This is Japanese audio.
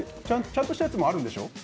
ちゃんとしたやつもあるんでしょ？